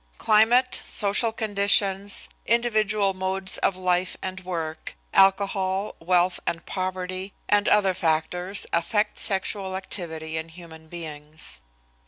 Climate, social conditions, individual modes of life and work, alcohol, wealth and poverty, and other factors affect sexual activity in human beings.